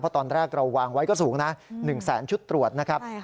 เพราะตอนแรกเราวางไว้ก็สูงนะ๑แสนชุดตรวจนะครับ